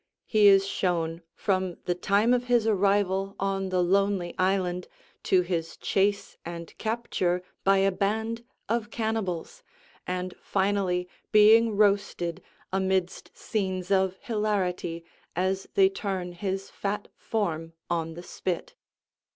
He is shown from the time of his arrival on the lonely island to his chase and capture by a band of cannibals, and finally being roasted amidst scenes of hilarity as they turn his fat form on the spit.